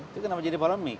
itu kenapa jadi polemik